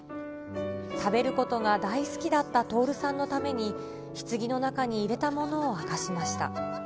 食べることが大好きだった徹さんのために、ひつぎの中に入れたものを明かしました。